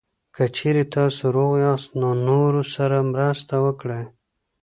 که چېرې تاسو روغ یاست، نو نورو سره مرسته وکړئ.